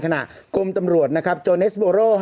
ขณะกรมตำรวจโจเนสโบโร่